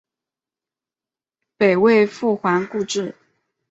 北魏复还故治。